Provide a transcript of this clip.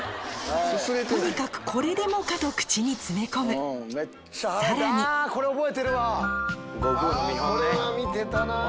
とにかくこれでもかと口に詰め込むさらにこれ見てたな。